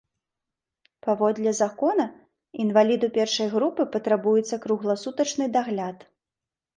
Паводле закона, інваліду першай групы патрабуецца кругласутачны дагляд.